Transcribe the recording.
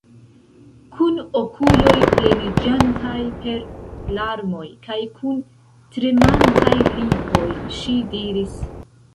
Kun okuloj pleniĝantaj per larmoj kaj kun tremetantaj lipoj ŝi diris: